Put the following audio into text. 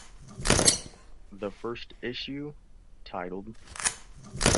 The first issue, titled ?